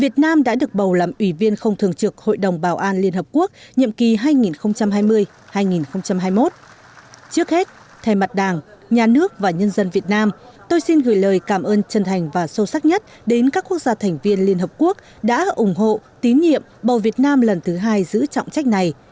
trước hết thay mặt đảng nhà nước và nhân dân việt nam tôi xin gửi lời cảm ơn chân thành và sâu sắc nhất đến các quốc gia thành viên liên hợp quốc đã ủng hộ tín nhiệm bầu việt nam lần thứ hai giữ trọng trách này